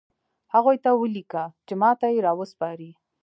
هغوی ته ولیکه چې ماته یې راوسپاري